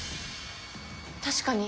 確かに。